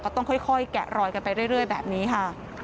ต้องค่อยแกะรอยกันไปเรื่อยแบบนี้ค่ะ